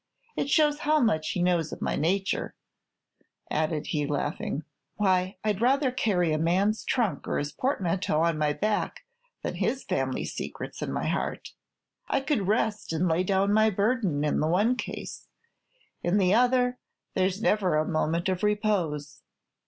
It shows how much he knows of my nature," added he, laughing. "Why, I'd rather carry a man's trunk or his portmanteau on my back than his family secrets in my heart. I could rest and lay down my burden in the one case, in the other, there's never a moment of repose!